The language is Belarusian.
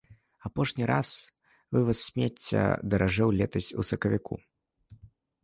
Апошні раз вываз смецця даражэў летась у сакавіку.